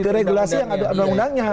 ada regulasi yang ada undang undangnya